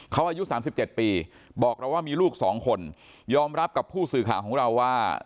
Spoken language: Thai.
เขาอายุ๓๗ปีบอกเราว่ามีลูก๒คนยอมรับกับผู้สื่อข่าวของเราว่า